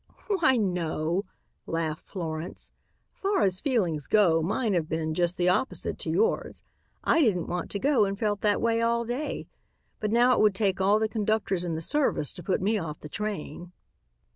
"Why, no!" laughed Florence. "Far as feelings go mine have been just the opposite to yours. I didn't want to go and felt that way all day, but now it would take all the conductors in the service to put me off the train."